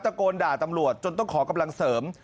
โกนด่าตำรวจจนต้องขอกำลังเสริม